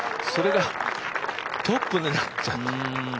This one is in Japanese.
それが、トップになっちゃった。